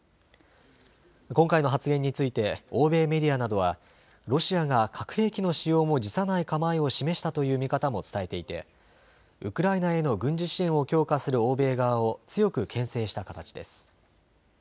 今回の発言について欧米メディアなどはロシアが核兵器の使用も辞さない構えを示したという見方も伝えていてウクライナへの軍事支援を強化する欧米側を強くけん制した形です。